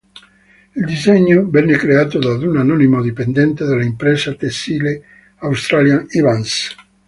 Il disegno venne creato da un anonimo dipendente dell'impresa tessile australian Evans.